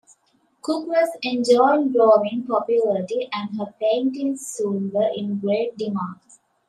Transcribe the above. Cook was enjoying growing popularity and her paintings soon were in great demand.